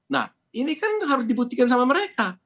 nah ini kan harus dibuktikan sama mereka